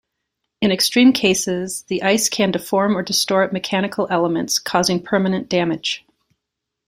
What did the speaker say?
In extreme cases, the ice can deform or distort mechanical elements, causing permanent damage.